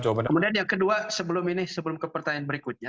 kemudian yang kedua sebelum ini sebelum ke pertanyaan berikutnya